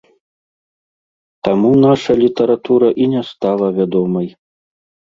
Таму наша літаратура і не стала вядомай.